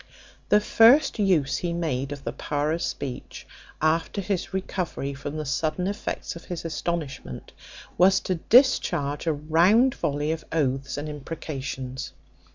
The first use he made of the power of speech, after his recovery from the sudden effects of his astonishment, was to discharge a round volley of oaths and imprecations.